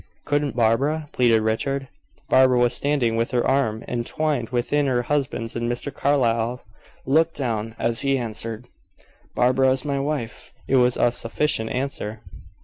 "Couldn't Barbara?" pleaded Richard. Barbara was standing with her arm entwined within her husband's, and Mr. Carlyle looked down as he answered, "Barbara is my wife." It was a sufficient answer.